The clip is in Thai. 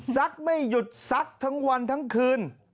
ไม่หยุดซักทั้งวันทั้งคืน